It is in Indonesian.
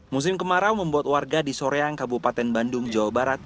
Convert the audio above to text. musim kemarau membuat warga di soreang kabupaten bandung jawa barat